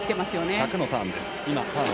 １００のターン。